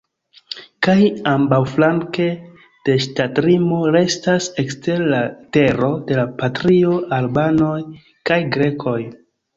Kaj ambaŭflanke de ŝtatlimo restas ekster la tero de la patrio albanoj kaj grekoj.